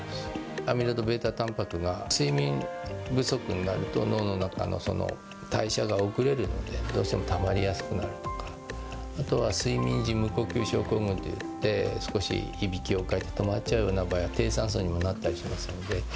アミロイドベータタンパクが、睡眠不足になると脳の中の代謝が遅れるので、どうしてもたまりやすくなるとか、あとは睡眠時無呼吸症候群といって、少しいびきをかいて止まっちゃうような場合は、低酸素にもなったりしますので。